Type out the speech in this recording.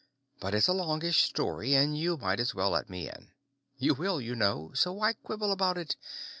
But it's a longish story, and you might as well let me in. You will, you know, so why quibble about it?